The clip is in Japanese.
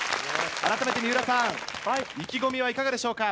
改めて三浦さん意気込みはいかがでしょうか？